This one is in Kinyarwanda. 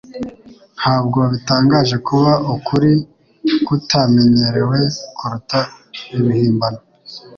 Ntabwo bitangaje kuba ukuri kutamenyerewe kuruta ibihimbano.